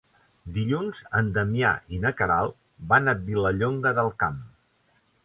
Dilluns en Damià i na Queralt van a Vilallonga del Camp.